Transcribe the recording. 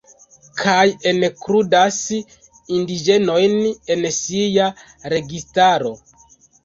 Kaj enkludas indiĝenojn en sia registaro.